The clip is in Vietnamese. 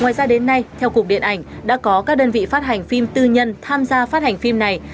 ngoài ra đến nay theo cục điện ảnh đã có các đơn vị phát hành phim tư nhân tham gia phát hành phim này